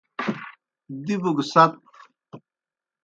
دِبوْ گہ ست۔